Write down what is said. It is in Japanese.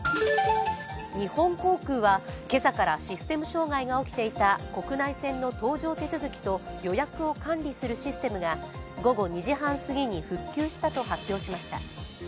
日本航空は今朝からシステム障害が起きていた国内線の搭乗手続きと予約を管理するシステムが午後２時半すぎに復旧したと発表しました。